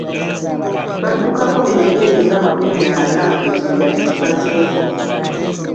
Twaddukako ebigere nga makumi ana ng'ekibira tukimazeeko.